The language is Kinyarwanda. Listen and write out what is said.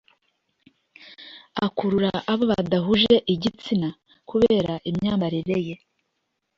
Akurura abo badahuje igitsina kubera imyambarire ye